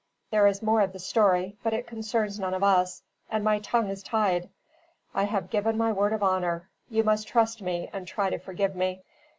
There is more of the story, but it concerns none of us, and my tongue is tied. I have given my word of honour. You must trust me and try to forgive me."